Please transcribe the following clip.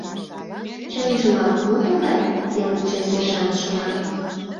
«Чынжымак, мо тыгай?» — семынже сержант шона.